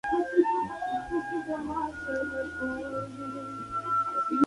Si no fuera jugador de tenis probablemente "trabajaría en las finanzas".